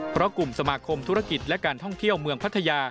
เพราะกลุ่มสมาคมธุรกิจและการท่องเที่ยวเมืองพัทยา